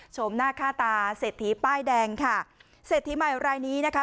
หน้าค่าตาเศรษฐีป้ายแดงค่ะเศรษฐีใหม่รายนี้นะคะ